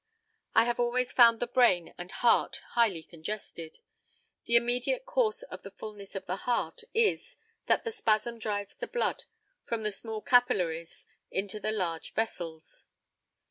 I have always found the brain and heart highly congested. The immediate cause of the fulness of the heart is, that the spasm drives the blood from the small capillaries into the large vessels.